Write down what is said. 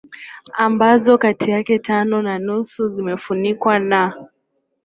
ambazo kati yake tano na nusu zimefunikwa na